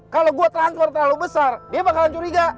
kalau gue transfer terlalu besar dia bakalan curiga